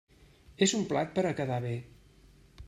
És un plat per a quedar bé.